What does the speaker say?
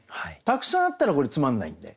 たくさんあったらこれつまんないんで。